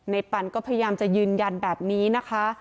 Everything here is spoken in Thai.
ปันก็พยายามจะยืนยันแบบนี้นะคะ